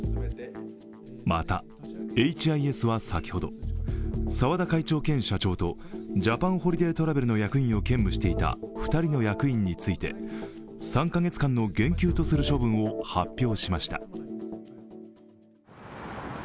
またエイチ・アイ・エスは先ほど、澤田会長兼社長とジャパンホリデートラベルの役員を兼務していた２人の役員について、３カ月間の減給とする処分を発表しました。